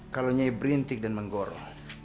kalau nyai berintik dan menggoro